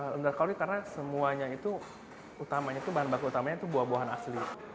rendah kalori karena semuanya itu bahan baku utamanya itu buah buahan asli